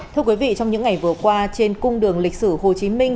thưa quý vị trong những ngày vừa qua trên cung đường lịch sử hồ chí minh